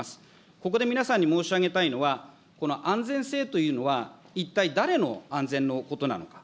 ここで皆さんに申し上げたいのは、この安全性というのは、一体、誰の安全のことなのか。